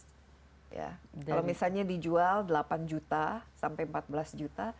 kalau misalnya dijual delapan juta sampai empat belas juta